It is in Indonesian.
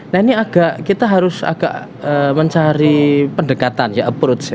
nah ini agak kita harus agak mencari pendekatan ya approach ya